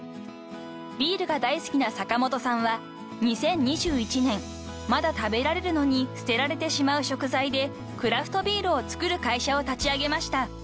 ［ビールが大好きな坂本さんは［２０２１年まだ食べられるのに捨てられてしまう食材でクラフトビールを作る会社を立ち上げました］